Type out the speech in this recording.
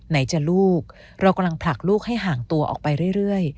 ไหนจะลูกเรากำลังผลักลูกให้ห่างตัวออกไปเรื่อย